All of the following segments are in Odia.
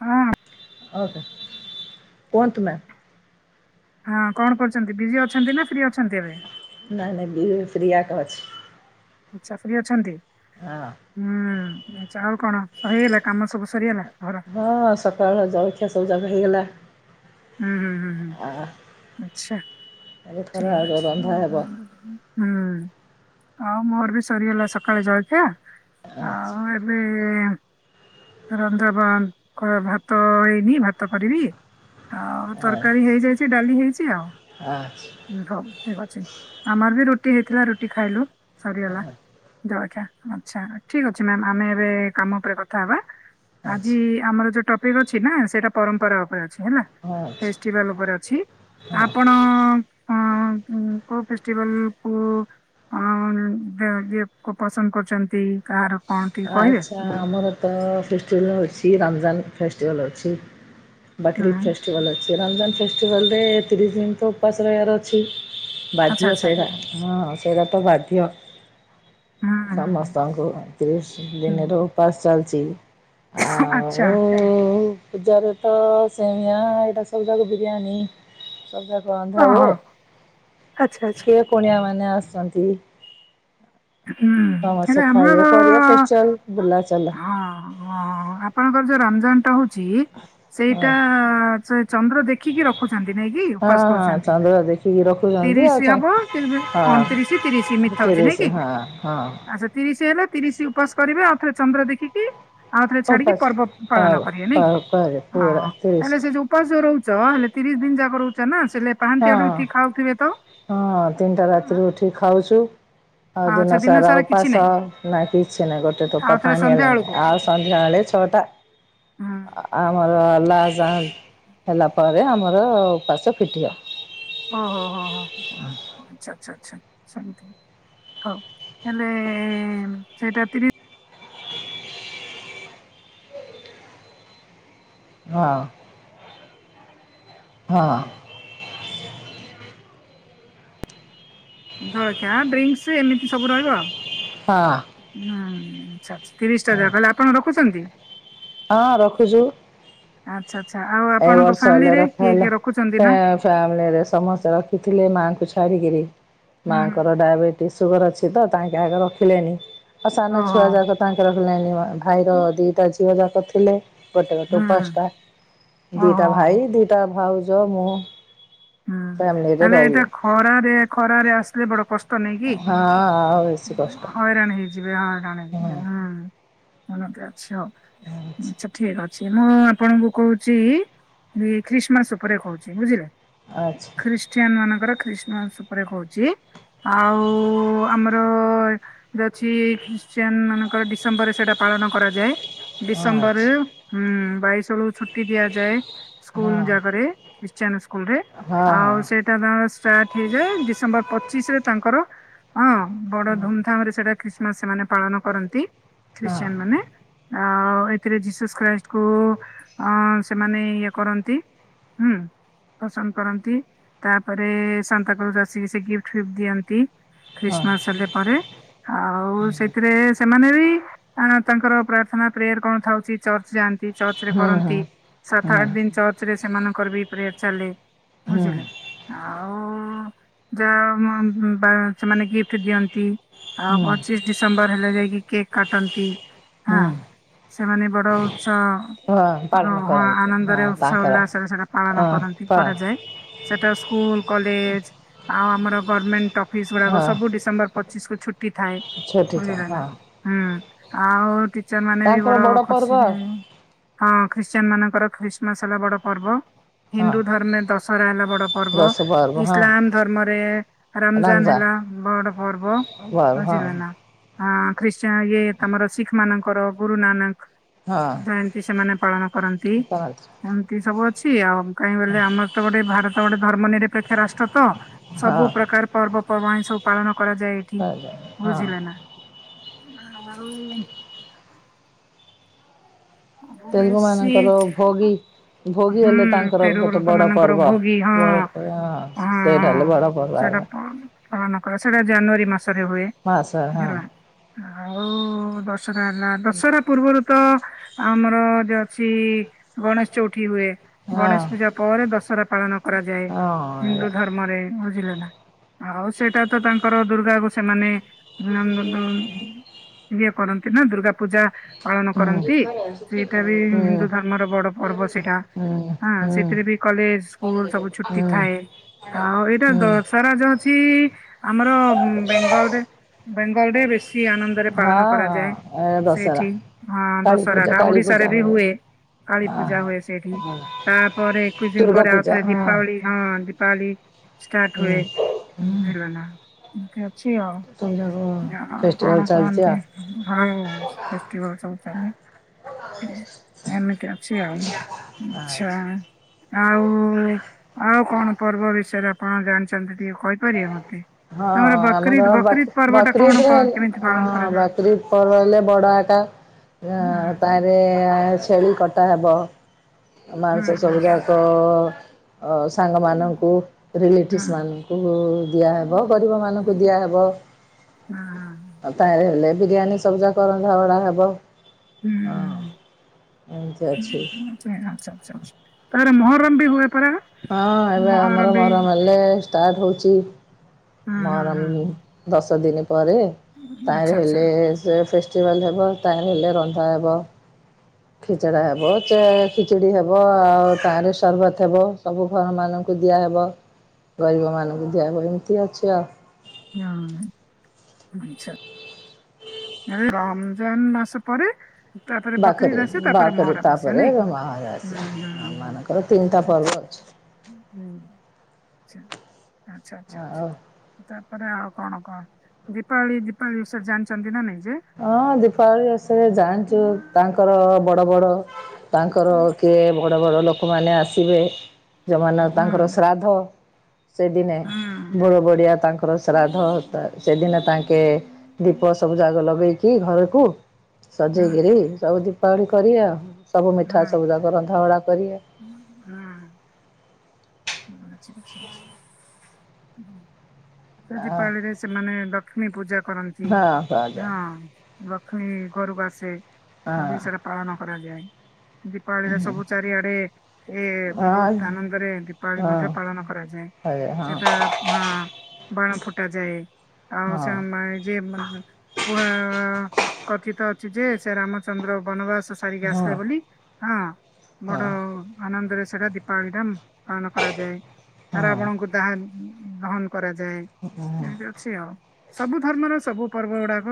ହଁ ଆଉ କଣ କରୁଛନ୍ତି? କହନ୍ତୁ ମ। ହଁ କଣ କରୁଛନ୍ତି ବିଜି ଅଛନ୍ତି ନା ଫ୍ରି ଅଛନ୍ତି ଏବେ। ନାଇଁ ନାଇ ବିହ ପ୍ରିୟା କ ଅଛି। ଆଚା ଫ୍ରି ଅଛନ୍ତି। ହଁ। ହୁଁ ଆଛା ଆଉ କଣ ସହିଗଲା କାମ ସବୁ ସରିଗଲା ଘର। ହଁ ସକାଳବେଳ ଯାଉଖିଆ ସବୁ ଜାଗା ହେଇଗଲା। ହୁଁ ହୁଁ ହୁଁ ଆ, ହୁଁ ଆଚଛା ଏବେ ଖରା ଠିକ ଅଛି। ରନ୍ଧା ହେବ ହୁଁ ଆଉ ମୋର ବି ସରିଗଲା ସକାଳେ ଜଳଖିଆ। ଆଚ୍ଛା। ଏବେ ରନ୍ଧାାବଧ ଭାତ ହେଇନି ଭାତ କରିବି। ଆଉ ତରକାରୀ ହେଇଯାଇଛି ଡାଲି ହେଇଛି ଆଉ। ହ। ହଉ ଠିକ ଅଛି ଆମର ବି ରୁଟି ହେଇଥିଲା ରୁଟି ଖାଇଲୁ ସରିଗଲା। ଜରଖ ଆଛା ଠିକ ଅଛି ମ୍ୟା ଆମେ ଏବେ କାମ ଉପରେ କଥା ହବା। ଆଜି ଆଚ୍ଛା ଆମର ଯୋଉ ଟପିକ ଅଛି ନା ସେଇଟା ପରମ୍ପରା ଉପରେ ଅଛି ହେଲା। ହଁ ଆଚ୍ଛା ଫେଷ୍ଟିଭାଲ ଓପରେ ଅଛି। ହଁ ଆପଣ କୋଉ ଅଁ ଉଁ ଫେଷ୍ଟିଭାଲକୁ ଅ ତ ଦ ଦିଏ ପ ପସନ୍ଦ କରୁଚନ୍ତି କାହାର କଣ ଟିକେ କହିବେ। ଆଚ୍ଛା ଆମର ତ ଫେଷ୍ଟିଭାଲ୍ ଅଛି ରମଜାନ୍ ଫେଷ୍ଟିଭାଲ୍ ଅଛି ବକ୍ରି ଇଦ୍ ଫେଷ୍ଟିଭଲ ଅଛି ରମଜାନ୍ ଫେଷ୍ଟିଭଲରେ ତିରିଶ ଦିନ ତ ଉପାସ ରହିବାର ଅଛି। ଆଚ୍ଛା ବାଧିବ ଆଚ୍ଛା ସେଇଟା ହଁଅଁ ସେରା ତ ବାଧିବ। ହୁଁ ହୁଁ ହୁଁ ସମସ୍ତଙ୍କୁ ତିରିଶ ଦିନରୁ ହୁଁ। ଉପାସ ଚାଲିଚି। ଆଚ୍ଛା ଆଉ ପୂଜାରେ ତ ସେଇଁଆ ଆଉ ବାସ ଖାଲି [unintelligible] ବିରିୟାନୀ। [unintelligible] ରନ୍ଧା ଓହୋ ହୁଏ ଆଚ୍ଛା ଆଚ୍ଛା। କିଏ କୁଣିଆମାନେ ଆସନ୍ତି। ହୁଁ ସମସ୍ତେ ହେଲେ ଆମର ଖାଇବେ କରିବା ଫେଷ୍ଟିଭାଲ ଅ ବୁଲା ଚାଲା ହଁ ହଁ ଆପଣଙ୍କର ଯୋଉ ରମଜାନଟା ହୋଉ ଚି ହଁ ସେଇଟା ଚଏ ଚନ୍ଦ୍ର ଦେଖିକି ର ରଖିଚନ୍ତି ନେଇକି ହଁ ଉପାସ ହଁ କରୁଛନ୍ତି ଚନ୍ଦ୍ର ଦେଖିକି ରଖୁଛନ୍ତି ତିରିଶ ଆଉ ଚ ହବ କେବେ ଅଣତିରିଶ ତିରିଶ ହଁ ଏମିତି ଥାଉଚି ନୁହେଁ ତିରିଶ କି? ହଁ ହଁ ଆଚ୍ଛା ତିରିଶ ହେଲା ତିରିଶ ଉପାସ କରିବେ ଆଉ ଥରେ ଚନ୍ଦ୍ର ଦେଖିକି ଆଉ ଥରେ ଛାଡିକି ଉପାସ ପର୍ବ ପ ପାଳନ କରିବେ ନାଇଁ କି ପରେ ହଁ ପୁରା ତିରିଶ ତାହେଲେ ସେ ଯୋଉ ଉପାସ ଯୋଉ ରହୁଚ ହେଲେ ତିରିଶ ଦିନ ଯାକ ରହୁଚ ନା ସେଲେ ହଁ ପାହାନ୍ତିଆରୁ ଉଠିକି ଖାଉଥିବେ ତ? ହଁ ତିନିଟା ରାତିରୁ ଉଠିକି ଖାଉଚୁ। ଆଉ ଆଚ୍ଛା ଦିନ ସାରା କିଛି ଉପାସ ନାହିଁ ନା କିଛି ନାଇ ଗୋଟେ ଆଉ ଟୋପା ଥରେ ପାଣି ସନ୍ଧ୍ୟା ହେଲେନି ବେଳକୁ ଆଉ ସନ୍ଧ୍ୟାବେଳେ ଛଅଟା ହୁଁ ଆମର ଲାଷ୍ ଯା ହେଲା ପରେ ଆମର ଉପାସ ଫିଟିବ। ଓହୋ ହୋ ହୋ ଆଚ୍ଛା ଆଚ୍ଛା ଆଚ୍ଛା ସେମତି। ହୋଉ ହେଲେ ସେଇଟା ତିରି ହଁ ହଁ। ଜଳଖିଆ, ଡ୍ରିଙ୍କସ୍ ଏମିତି ସବୁ ରହିବ ଆଉ। ହଁ। ହୁଁ ଆଚ୍ଛା ଆଚ୍ଛା ତିରିଶଟା ଜାକ ହେଲେ ଆପଣ ରଖୁଛନ୍ତି? ହଁ ରଖୁଚୁ। ଆଚ୍ଛା ଆଚ୍ଛା ଆଉ ଆପଣଙ୍କ ହେଲେ ଫ୍ୟାମିଲିରେ ରଖା କିଏ ହେଲା। କିଏ ରଖୁଚନ୍ତି ନା? ଫ୍ୟାମିଲିରେ ସମସ୍ତେ ରଖିଥୁଲେ ମାଆଙ୍କୁ ଛାଡ଼ିକିରି ହୁଁ ମାଆଙ୍କ ଡାଇବେଟିସ୍ ସୁଗର ଅଛି ତ ତାଙ୍କେ ଆଗେ ରଖିଲେନି ଆଉ ସାନ ଓହୋ ଛୁଆ ଯାକର ତାଙ୍କର ହେଲାନି ମ ଭାଇର ଦିଇଟା ଝିଅ ଯାହା କରୁଥିଲେ ଗୋଟେ ଗୋଟେ ହୁଁ ଉପାସଟା ଦିଇଟା ଓହୋ ଭାଇ, ଦିଇଟା ଭାଉଜ, ମୁଁ। ହୁଁ ଫ୍ୟାମିଲିରେ ତାହାଲେ ଏଇଟା ରହିଲୁ ଖରାରେ ଖରାରେ ଆସିଲେ ବଡ କଷ୍ ଷ୍ଟ ନାଇଁକି ହଁ ଆଉ ବେଶୀ କଷ୍ଟ ଉଁ ହଇରାଣ ହେଇ ଯିବେ ହଇରାଣ ହଁ ହେଇଯିବେ ହୁଁ [unintelligible] ଅଛି ହୋଉ ଉଁ ଆଚ୍ଛା ସେପ୍ ଠିକ ଅଛି ମୁଁ ଆପଣଙ୍କୁ କୋହୁଚି ବି ଖ୍ରୀଷ୍ଟମାସ ଉପରେ କୋହୁଚି ବୁଝିଲେ। ଆଚ୍ଛା। ଖ୍ରୀଷ୍ଟିଆନ୍ ମାନଙ୍କର ଖ୍ରୀଷମାସ ଉପରେ କୋହୁଚି ଆଉ ଆମର ଅଛି ଖ୍ରୀଷ୍ଟିୟନ ମାନଙ୍କର ଡିସେମ୍ବରରେ ସେଇଟା ପାଳନ କରାଯାଏ ହଁ ଡିସେମ୍ବରରୁ ଆଚ୍ଛା ହୁଁ ବାଇଶ ବେଳକୁ ଛୁଟି ଦିଆଯାଏ ସ୍କୁଲ ଜାକରେ ଖ୍ରୀଷ୍ଟିୟନ ସ୍କୁଲରେ। ହଁ ହଁ ଆଉ ସେଇଟା ତାଙ୍କ ଷ୍ଟାର୍ଟ ହେଇଯାଏ ଡିସେମ୍ବର ପଚିଶରେ ତାଙ୍କର ହଁ ବଡ ଧୁମଧାମରେ ସେଟା ଖ୍ରୀଷ୍ଟମାସ ସେମାନେ ପାଳନ କରନ୍ତି ଖ୍ରୀଷ୍ଟିଆନମାନେ। ଆଉ ଏଥିରେ ଜିସସ୍ ଖ୍ରାଇଷ୍ଟକୁ ଅ ସେମାନେ ଇଏ କରନ୍ତି ହୁଁ ପ୍ରଶାନ୍ତ୍ କରନ୍ତି ତାପରେ ସାନ୍ତା କ୍ଲଜ ଆସିକି ସେଇ ଗିଫ୍ଟ ଫିଫ୍ଟ ଦିଅନ୍ତି। ହଁ ହଁ ହଁ ଖ୍ରୀଷ୍ଟମାସ ହେଲେ ପରେ ଆଉ ସେଥିରେ ସେମାନେ ବି କଣ ତାଙ୍କର ପ୍ରାର୍ଥନା ପ୍ରେୟାର କଣ ଥାଉଚି ଚର୍ଚ୍ଚ ଯାଆନ୍ତି। ଚର୍ଚରେ ହୁଁ ହୁଁ କରନ୍ତି ହୁଁ ସାତ ଆଠ ଦିନ ଚର୍ଚ୍ଚରେ ସେମାନଙ୍କର ବି ପ୍ରେୟାର ଚାଲେ। ହୁଁ [unintelligible] ଆଉ ଯା ସେମାନେ ଗିଫ୍ଟ ଦିଅନ୍ତି ହଁ ହୁଁ ପଚିଶ ଡିସେମ୍ବର ହେଲେ ଯାଇକି କେକ୍ କାଟନ୍ତି ହଁ। ହୁଁ ସେମାନେ ବଡ ଉତ୍ସ ହଁ ପାଳନ ହ କରନ୍ତି ହଁ ଆନନ୍ଦରେ ଉତ୍ସା ତାଙ୍କର ଉଲ୍ଲାସରେ ସେଟା ପାଳନ ହଁ କରନ୍ତି ପାଳନ କରାଯାଏ। ସେଟା ସ୍କୁଲ କଲେଜ ଆଉ ଆମର ଗଭର୍ଣମେଣ୍ଟ ଅଫିସ ଗୁଡା ହଁ ସବୁ ଡିସେମ୍ବର ପଚିଶ କୁ ଛୁଟି ଥାଏ। ବୁଝିଲେ [unintelligible] ନା। ହଁ ହୁଁ ଆଉ ଟିଚର ମାନେ ବି ତାଙ୍କର ବଡ ବଡ଼ ପର୍ବ ଖୁସିରେ ହଁ ଖ୍ରୀଷ୍ଟିୟାନ ମାନଙ୍କର ଖ୍ରୀଷ୍ଟମାସ ହେଲା ବଡ ପର୍ବ ଆଉ ହିନ୍ଦୁ ଧର୍ମେ ଦଶ୍ ସରା ହେଲା ବଡ ହଁ ପର୍ବ। ଦଶ ହଁ ଇସଲାମ ଧର୍ମରେ ରମଜାନ ହେଲା ବଡ ପର୍ବ। [unintelligible] ହ ହଁ ଖ୍ରୀଷ୍ଟିୟ ଇଏ ତମର ଶିଖ ମାନଙ୍କର ଗୁରୁ ନାନକ ହଁ ଜୟନ୍ତୀ ସେମାନେ ପାଳନ କରନ୍ତି କରନ୍ତି ଏମିତି ସବୁ ଅଛି ଆଉ କାହିଁ ବଲେ ଆମ ଗୋଟେ ଭାରତ ଗୋଟେ ଧର୍ମ ନିରପେକ୍ଷ ରାଷ୍ଟ୍ର ତ ହଁ ସବୁ ପ୍ରକାର ପର୍ବପର୍ବାଣି ସବୁ ପାଳନ କରାଯାଏ ଏଠି। କରାଯାଏ ହଁ ବୁଝିଲ ନା? ଓ ବେଡ଼ସିିଟ୍ ହୋଗି ହୁଁ ତେରୁ ଲୋକ ମାନଙ୍କର ପର୍ବ ଭୋଗୀ ହଁ ବଡ ହଁ ସେଇଟା ହଁ। ହେଲେ ବଡ଼ ପର୍ବ ସେଇଟା ଏକା ପାଳନ କ ସେଇଟା ଜାନୁଆରୀ ମାସରେ ହୁଏ ମାସ ହଁ ହେଲା। ହଉ। ଦଶହରା ହେଲା ଦଶହରା ପୂର୍ବରୁ ତ ଆମର ଯ ଅଛି ଗଣେଶ ଚଉ ଉଠି ହୁଏ ହଁ ଗଣେଶ ପୂଜା ପରେ ଦଶହରା ପାଳନ କରାଯାଏ ହଁ ହିନ୍ଦୁ ଏଇଆ ଧ ମରେ ବୁଝିଲେ ନା ଆଉ ସେଇଟା ତ ତାଙ୍କର ଦୁର୍ଗା କୁ ସେମାନେ [unintelligible] ଇଏ କରନ୍ତି ନା ଦୁର୍ଗା ପୂଜା ପାଳନ ହୁଁ ହୁଁ କରନ୍ତି ସେଇଟା ହୁଁ ବି ହୁଁ ହିନ୍ଦୁ ଧର୍ମର ବଡ ପର୍ବ ସେଟା ହୁଁ ହଁ ସେଥିରେ ବି କଲେଜ ସ୍କୁଲ ସବୁ ହଁ ଛୁଟି ଥାଏ। ହଉ ଏଇଟା ଦଶହରା ଯୋଉ ଅଛି ଆମର ବେଙ୍ଗଲ ରେ ବେଙ୍ଗଲ ରେ ବେଶୀ ଆନନ୍ଦରେ ପାଳନ ହଁ କରାଯାଏ। ଏ ଦଶହରା ସେଇଠି ହଁ କାଳୀ ଦଶହରା ପୂଜା ଟା କାଳୀ ଓଡିଶାରେ ପୂଜା ବି ହୁଏ କାଳୀ ହଁ ପୂଜା ହୁଏ। ସେଇଠି। ହଁ ତାପରେ ଏକୋଇଶି ଦିନ ଦୁର୍ଗା ପରେ ପୂଜା ଆଉଥରେ ହଁ ଦୀପାବଳି ହଁ ଦୀପାବଳି ଷ୍ଟାର୍ଟ ହୁଁ ହୁଏ। ହୁଁ ବୁଝିଲ ନା? କେ ଅଛି ଆଉ ସବୁ ଯାକ ଆଉ କଣ ଫେଷ୍ଟିଭାଲ ଚାଲିଛି କୁହନ୍ତି। ଆଉ ହଉ ଫେଷ୍ଟିଭ ସବୁ ଚାଲେ ଏମିତିଆ। [unintelligible] ଆଚ୍ଛା ଆଉ ଆଉ କଣ ପର୍ବ ବିଷୟରେ ଆପଣ ଜାଣିଛନ୍ତି ଟିକେ କହି ପାରିବେ ମତେ? ହଁ ତମର ବକରିଦ ଆମର ବକରିଦ ପର୍ବ ଟା ବାତୁରି କଣ କଣ କେମିତି ହେଲେ ପାଳନ କରାଯାଏ? ବାତୁରି ପର୍ବ ହେଲେ ବଡ ଏକା। ହୁଁ ଅ ତାହିଁରେ ଛେଳି କଟା ହେବ। ହୁଁ ମାଂସ ସବୁ ହୁଁ ଯାକ ସାଙ୍ଗମାନଙ୍କୁ ରିଲେଟିଭସ୍ ହୁଁ। ମାନଙ୍କୁ ଦିଆ ହବ ଗରିବ ମାନଙ୍କୁ ଦିଆହବ। ହଁ। ଆଉ ତାଲେ ହେଲେ ବିରିୟାନୀ ସବୁଯାକ ରନ୍ଧା ଭଡା ହବ। ହୁଁ। ହଁ ଏମିତି ଅଛି। ଆଚ୍ଛା ଆଚ୍ଛା ତାରେ ମହରମ ବି ହୁଏ ପରା? ହଁ ଏବେ ମହରମ ଆମର ବି ମହରମ୍ ହେଲେ ଷ୍ଟାର୍ଟ ହଉଛି ହୁଁ ହୁଁ ମହରମ ଦଶ ଦିନ ପରେ ହୁଁ। ତାରେ ଆଚ୍ଛା ଆଚ୍ଛା ହେଲେ ସେ ଫେଷ୍ଟି ଫେଷ୍ଟିଭାଲ୍ ହେବ ତାହି ହେଲେ ରନ୍ଧା ହେବ। ଖିଚଡା ହେବ ଖିଚିଡି ହେବ ଆଉ ତାରେ ସର୍ବତ ହେବ ସବୁ ଘର ମାନଙ୍କୁ କୁ ଦିଆହେବ ଗରିବମାନଙ୍କୁ ଦିଆହେବ ଏମିତି ଅଛି ଆଉ। ହଁ ଆଚ୍ଛା। ରମଜାନ ମାସ ପରେ ତାପରେ ବାକରେ ବକରିଦ ଆସ ତାପରେ ବାକରେ ମହରମ୍ ଆସିବ ତାପରେ ନାଇଁ କି? ମହାରାଜ ଆସେ ହୁଁଁ ଆମମାନଙ୍କର ତିନିଟା ପର୍ବ ଆଛା। ଅଛି ହୁଁ ଆଚ୍ଛା ଆଛା ଆଛା। ଆଉ ତାପରେ ଆଉ କଣ କଣ ଦୀପାବଳି ଦୀପାବଳି ବିଷୟରେ ଜାଣିଛନ୍ତି ନା ନାଇଁ ଯେ? ହଁ ଦୀପାବଳି ବିସରେ ହୁଁ ଜାଣିଛୁ ତାଙ୍କର ବଡ ବଡ ତାଙ୍କର ହୁଁ। କିଏ ବଡ଼ ବଡ଼ ଲୋକମାନେ ଆସିବେ। ଯେଉଁମାନେ ହୁଁ ହୁଁ ତାଙ୍କର ଶ୍ରାଦ୍ଧ ସେଦିନେ। ବଡ ବଡିଆ ତାଙ୍କର ଶ୍ରାଦ୍ଧ ସେଦିନେ ତାଙ୍କେ ଦୀପ ସବୁ ଜାଗ ଲଗ ଲଗେଇକି ଘରକୁ ସଜେଇକିରି ସବୁ ଦୀପାବଳି କରିବେ ଆଉ। ସବୁ ମିଠା ସବୁ ଯାକ ରନ୍ଧାବଡ଼ା କରିଏ। ହୁଁ। ସଜିି ହଁ ପାଳିରେ ସେମାନେ ଲକ୍ଷ୍ମୀ ପୂଜା କରନ୍ତି ହଁ ଲକ୍ଷ୍ମୀ ଘରୁକୁ ଆସିବେ। ଓଡ଼ିଶାରେ ହଁ ପାଳନ କରାଯାଏ। ଦୀପାବଳିରେ ହଁ। ସବୁ ଚାରିଆଡେ ଏ ବହୁତ ଆଜ୍ଞା ଆନନ୍ଦରେ ଦୀ ପାଳି ହଁ ମଧ୍ୟ ପାଳନ କରାଯାଏ। ହଁ ହଁ ସେଟା ହଁ ବାଣ ଫୁଟାଯାଏ। ଆଉ ସେ ହଁ ଯ କୁହା କଥିତ ଅଛି ଯେ ସେ ରାମଚନ୍ଦ୍ର ବନବାସ ସ ସାରିକି ଆସିଲେ ହଁ ବୋଲି ହଁ ବଡ ଆନନ୍ଦରେ ସେଟା ଦୀପାବଳି ଟା ପାଳନ କରାଯାଏ। ହଁ। ରାବଣଙ୍କୁ ଦହା ଦହନ କରାଯାଏ। ଏମି ଅଛି ଆଉ ସବୁ ଧର୍ମରେ ସବୁ ପର୍ବ ଗୁଡାକ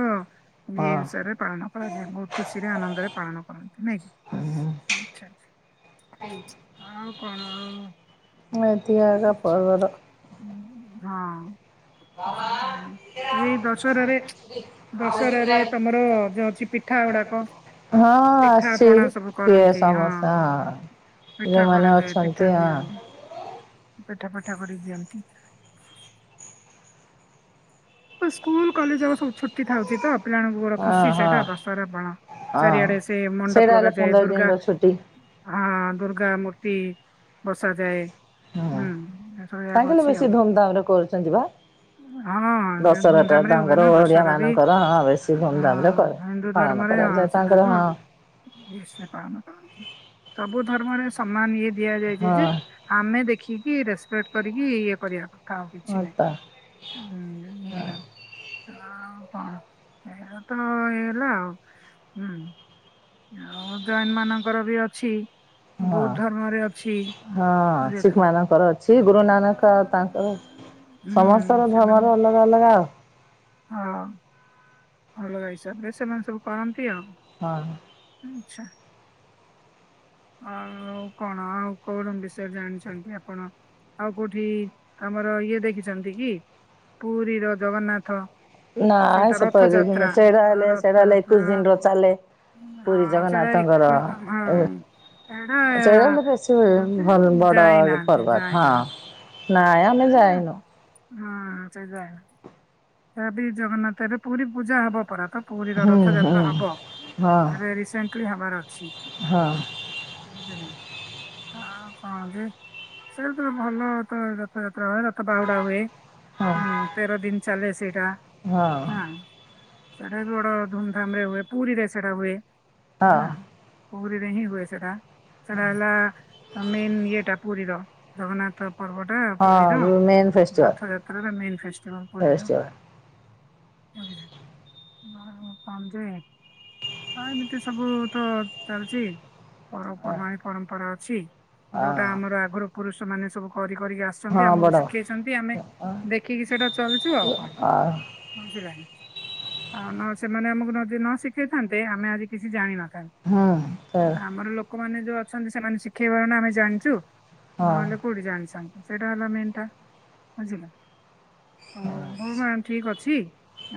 ହଁ ଏଷରେ ପାଳନ କରାଯାଏ। ବହୁତ ଖୁସି ରେ ଆନନ୍ଦରେ ପାଳନ କରନ୍ତି ନାଇଁକି? ଆଛା! ଆଉ କଣ ଆଉ ମୁଁ ଏତି ଆଚ୍ଛା ହଁ। ଏଇ ଦଶହରାରେ ଦଶହରାରେ ତମର ଯୋଉ ଅଛି ପିଠ ଠା ଗୁଡାକ ହଁ ପିଠା ପଣା ସେହି ସବୁ କିଏ କରନ୍ତି ହଁ ସମସେ ହଁ। ପିଠା ଯେଉଁମାନେ କରାଯାଏ ପିଠା ଅଛନ୍ତି ହଁ। ଦିଆଯାଏ। ପିଠା ପିଠା କରିକି ଦିଅନ୍ତି। ସ୍କୁଲ କଲେଜ ଆଉ ସବୁ ଛୁଟି ଥାଉଛି ତ ପିଲାମାନଙ୍କୁ ବଡ଼ ହଁ ଖୁସି ସେଇଟା ହଁ ଦଶହରା ପାଳ ହଁ ଚାରିଆଡେ ସେ ସେଇଟା ମଣ୍ଡପ ହେଲେ ଲଗାଯାଏ। ପନ୍ଦର ଦୁର୍ଗା ଦିନର ଛୁଟି ହଁ ଦୁର୍ଗା ମୂର୍ତ୍ତି ବସାଯାଏ। ହଁ ହୁଁ ଏସବୁ ଜାଗା ତାଙ୍କେ ଆଛି ବେଶୀ ଆଉ ଧୁମଧାମରେ କରୁଛନ୍ତି ବା ହଁ। ଦଶହରାଟା ଧୁମଧାମରେ ହୁଏ ତାଙ୍କର ନା ଓଡ଼ିଆ ଦଶହରା ବି ମାନଙ୍କର ହଁ ବେଶୀ ଧୁମଧାମରେ ହଁ କରେ ହିନ୍ଦୁ ପାଳନ ଧର୍ମରେ ହଁ କରାଯାଏ ସେଟା ତାଙ୍କର ବି ହଁ ନିଶ୍ଚୟ ପାଳନ କରନ୍ତି। ସବୁ ଧ ନର୍ମରେ ସମ୍ମାନ ଇଏ ଦିଆଯାଇଛି ଯେ ହଁ ଆମେ ଦେଖିକି ରେସପେକ୍ଟ କରିକି ଇଏ କରିବାକୁ। ଆଉ ହଁ କିଛିନାହିଁ। ତ ଆଉ କଣ ଏହା ତ ହେଇଗଲା ଆଉ ହୁଁ। ଆଉ ଜୈନମାନଙ୍କର ବି ଅଛି ହଁ ବୌଦ୍ଧ ଧର୍ମରେ ଅଛି। ହଁ ବୁଝିଲେ ଶିଖମାନଙ୍କର ଅଛି ଗୁରୁ ନାନକ ଆଉ ତାଙ୍କର ହୁଁ ସମସ୍ତଙ୍କର ସେମାନେ ଧର୍ମରେ ଅଲଗା ଅଲଗା ଆଉ। ହଁ। ଅଲଗା ହିସାବରେ ସେମାନେ ସବୁ କରନ୍ତି ଆଉ। ହଁ। ଆଚ୍ଛା। ଆଉ କଣ ଆଉ କଣ ବିଷୟ ଜାଣିଛନ୍ତି ଆପଣ? ଆଉ କୋଉଠି ଆମର ଇଏ ଦେଖିଛନ୍ତି କି ପୁରୀର ଜଗନ୍ନାଥ। ନାଇଁ ସେଇଟା ରଥଯାତ୍ରା [unintelligible] ସେରା ଆ ହେଲେ ରଥଯାତ୍ରା ଏକୋଇଶି ଦିନର ଚାଲେ ପୁରୀ ହଁ ସେଟା ଏକ ଜଗନ୍ନାଥଙ୍କର ହଁ ଏବେ ସେଇଟା ହେଲେ ବେଶୀ ଏଇଟା ଭଲ ବଡ ପର୍ବ ହଁ। ନାଇଁ ଆମେ ଆ ଯାଇନୁ। ହଁ ସେଇ ଯାଏ ତା ବି ଜଗନ୍ନାଥ ଏବେ ପୁରୀ ପୂଜା ହବ ପରାତ। ପୁରୀର ହୁଁ ହୁଁ ରଥଯାତ୍ରା ହବ ହଁ ଏବେ ରିସେଣ୍ଟଲି ହବାର ଅଛି। ହଁ ଆଉ କଣ ଯେ ସେଟାତ ଭଲ ତ ରଥଯାତ୍ରା ହୁଏ ରଥ ବାହୁଡା ହୁଏ। ହଁ ହୁଁ ତେର ଦିନ ଚାଲେ ସେଇଟା। ହଁ ସେଟା ବି ବଡ ଧୁମଧାମରେ ହୁଏ ପୁରୀରେ ସେଟା ହୁଏ। ହଁ। ପୁରୀରେ ହିଁ ହୁଏ ସେଟା। ସେଟା ହେଲା ମେନ ଇଏଟା ପୁରୀର ଜଗନ୍ନାଥ ପର୍ବଟା ହଁ ପୁରୀର ହଁ ମେନ୍ ଫେଷ୍ଟିଭାଲ ରଥଯାତ୍ରାଟା ମେନ ଫେଷ୍ଟିଭାଲ ପୁରୀର। [inaudible] ଫେଷ୍ଟିଭାଲ [unintelligible] ଏମିତି ସବୁ ତ ଚାଲିଛି। ପର୍ବ ପର୍ବାଣି ପରମ୍ପରା ଅଛି ହଁ ଯୋଉଟା ଆମର ଆଗରୁ ପୁରୁଷମାନେ ସବୁ କରି କରିକି ଆସ ସନ୍ତି ହଁ ଆମକୁ ବଡ଼ ଶିଖେଇଛନ୍ତି ଆମେ ଦେଖିକି ସେଟା ଚାଲିଛୁ ଆଉ ଆ କଣ। [inaudible] ଆଉ ସେମାନେ ଆମକୁ ଯଦି ନ ଶିଖେଇଥାନ୍ତେ ଆମେ ଆଜି କିଛି ହୁଁ ସେ ଜାଣିନଥାନ୍ତେ। ଆମର ଲୋକମାନେ ଯୋଉ ଅଛନ୍ତି ସେମାନେ ଶିଖେଇବାରୁ ନା ଆମେ ଜାଣିଛୁ। ହଁ ନହେଲେ କୋଉଠି ଜାଣି ସା ସେଇଟା ହେଲା ମେନ୍ ଟା ବୁଝିଲ। ହଉ ହଉ ମା ଠିକ ଅଛି।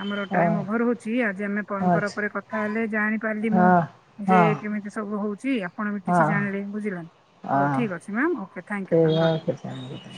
ଆମର ହଁ ଟାଇମ ଓଭର ହଉଛି ଆଜି ଆମେ ପରମ୍ପରା ଉପରେ ଆଚ୍ଛା କଥା ହେଲେ ଜାଣି ପାରିଲି ମୁଁ ଯେ ହଁ କେମିତି ସବୁ ହଉଛି ଆପଣ ବି କିଛି ହଁ ଜାଣିଲେ ବୁଝିଲ। ହଁ ହଉ ହଁ ଠିକ୍ ଅଛି ମ୍ୟାମ ଓକେ ଥ୍ୟାଙ୍କୟୁ ମ୍ୟାମ ରହିଲି। ଠିକ୍ ଅଛି